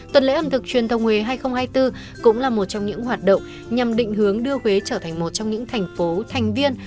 tuần lễ ẩm thực truyền thông huế hai nghìn hai mươi bốn cũng là một trong những hoạt động nhằm định hướng đưa huế trở thành một trong những thành phố thành viên